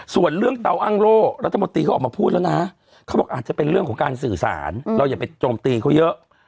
ส่วนเรื่องเตาอ้างโลกรัฐมดิเขาออกมาพูดแล้วนะ